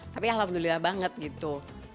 tapi alhamdulillah banget gitu